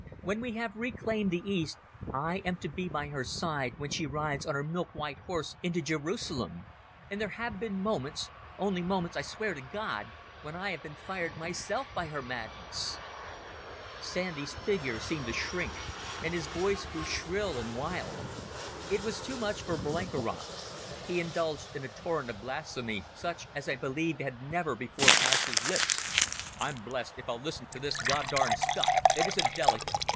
When we have reclaimed the East I am to be by her side when she rides on her milk white horse into Jerusalem ... And there have been moments—only moments, I swear to God—when I have been fired myself by her madness ..." Sandy's figure seemed to shrink and his voice grew shrill and wild. It was too much for Blenkiron. He indulged in a torrent of blasphemy such as I believe had never before passed his lips. "I'm blessed if I'll listen to this God darned stuff. It isn't delicate.